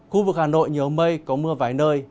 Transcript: khu vực hà nội nhiều mây có mưa vài nơi